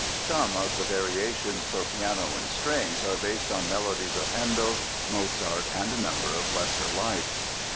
Some of the variations for piano and strings are based on melodies of Handel, Mozart, and a number of lesser lights.